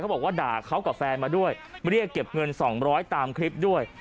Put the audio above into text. บอกว่าด่าเขากับแฟนมาด้วยเรียกเก็บเงิน๒๐๐ตามคลิปด้วย